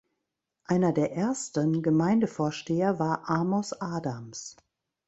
Einer der ersten Gemeindevorsteher war Amos Adams.